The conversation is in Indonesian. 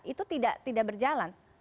itu tidak berjalan